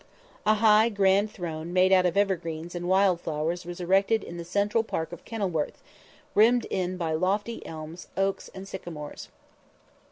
A high grand throne made out of evergreens and wild flowers was erected in the central park of Kenilworth, rimmed in by lofty elms, oaks and sycamores.